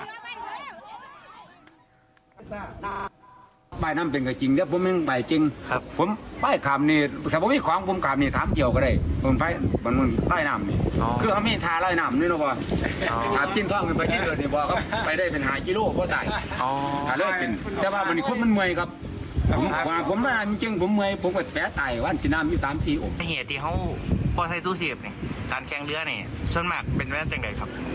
แต่ผสมหน้าท้านแค่งเรือนี่สมมติเป็นแวสเจรงเร็วครับ